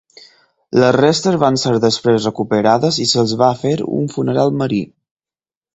Les restes van ser després recuperades i se'ls va fer un funeral marí.